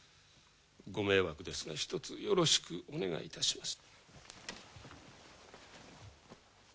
ご迷惑ですがひとつよろしくお願いいたします。